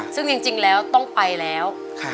ซึ่งจริงแล้วต้องไปแล้ว